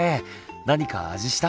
何か味した？